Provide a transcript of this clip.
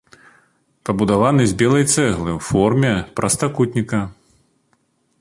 Пабудаваны з белай цэглы ў форме прастакутніка.